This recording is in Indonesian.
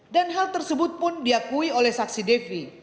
dan hal tersebut pun diakui oleh saksi devi